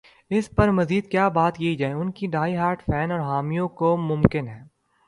اس پر مزید کیا بات کی جائے ان کے ڈائی ہارڈ فین اور حامیوں کو ممکن ہے۔